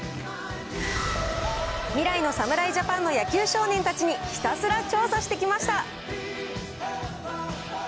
未来の侍ジャパンの野球少年たちにひたすら調査してきました。